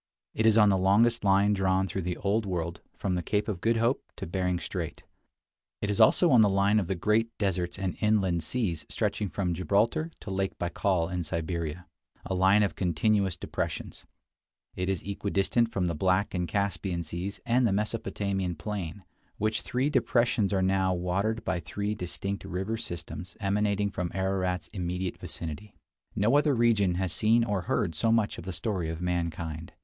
It is on the longest line drawn through the Old World from the Cape of Good Hope to Bering Strait; it is also on the line of the great deserts and inland seas stretching from Gibraltar to Lake Baikal in Siberia — a line of continuous depressions; it is equidistant from the Black and Caspian Seas and the Mesopotamian plain, which three depressions are now watered by three distinct river systems emanating from Ararat's immediate vicinity. No other region has seen or heard so much of the story of mankind.